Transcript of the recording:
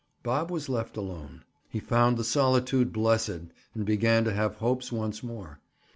Bob was left alone. He found the solitude blessed and began to have hopes once more.